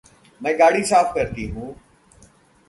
मैं गाड़ी साफ़ करती हूँ।